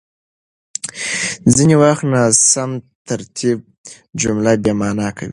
ځينې وخت ناسم ترتيب جمله بېمعنا کوي.